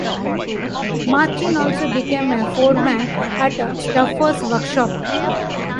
Martin also became a foreman at Stauffer's workshop.